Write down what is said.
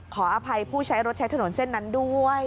ขออภัยผู้ใช้รถใช้ถนนเส้นนั้นด้วย